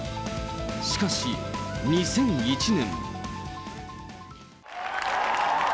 しかし２００１年。